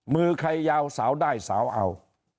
มือใครยาวสาวได้สาวเอา